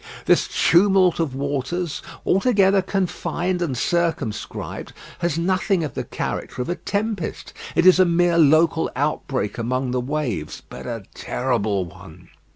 This tumult of waters, altogether confined and circumscribed, has nothing of the character of a tempest. It is a mere local outbreak among the waves, but a terrible one.